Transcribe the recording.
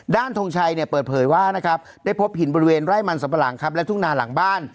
ทงชัยเนี่ยเปิดเผยว่านะครับได้พบหินบริเวณไร่มันสัมปะหลังครับและทุ่งนาหลังบ้าน